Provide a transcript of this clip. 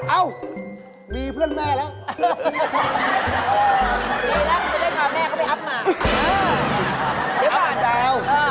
เอ้ามีเพื่อนแม่แล้ว